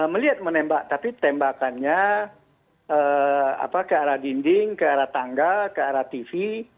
melihat menembak tapi tembakannya ke arah dinding ke arah tangga ke arah tv